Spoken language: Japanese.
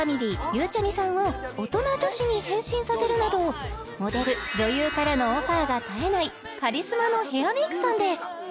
ゆうちゃみさんを大人女子に変身させるなどモデル・女優からのオファーが絶えないカリスマのヘアメイクさんです